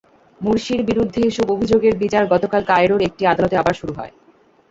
মুরসির বিরুদ্ধে এসব অভিযোগের বিচার গতকাল কায়রোর একটি আদালতে আবার শুরু হয়।